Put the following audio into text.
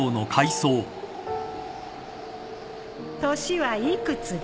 年は幾つだ？